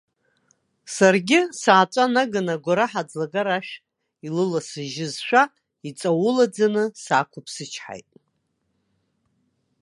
Саргьы, сааҵәа наганы агәараҳәа аӡлагара ашә илыласыжьызшәа, иҵауалаӡаны саақәыԥсычҳаит.